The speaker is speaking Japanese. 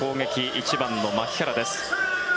１番の牧原です。